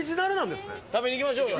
食べにいきましょうか。